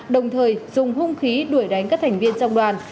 đồng thời dùng hung khí đuổi đánh các thành viên trong đoàn